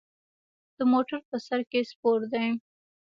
د موټر په سر کې سپور دی.